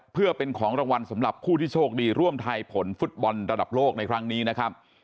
เพื่อเป็นของรางวัลสำหรับผู้ที่โชคดีร่วมทายผลฟุตบอลระดับโลกในครั้งนี้นะครับ